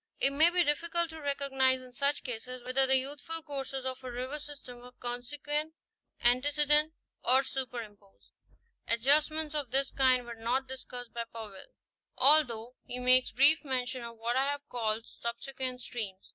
It may be difficult to recognize in such cases whether the youthful courses of a river system were consequent, antecedent or superimposed. Adjust ments of this kind were not discussed by Powell, although he Rwers of Northern New Jersey.» 85 makes brief mention of what I have called subsequent streams.